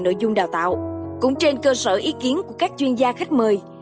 nội dung đào tạo cũng trên cơ sở ý kiến của các chuyên gia khách mời